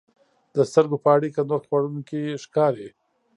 د سترګو په اړیکه نور خوړونکي ښکاري.